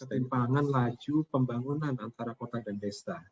ketimpangan laju pembangunan antara kota dan desa